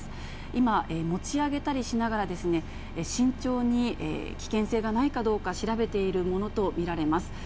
今、持ち上げたりしながら、慎重に危険性がないかどうか調べているものと見られます。